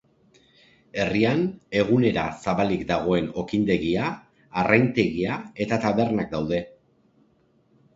Herrian, egunera zabalik dagoen okindegia, arraintegia eta tabernak daude.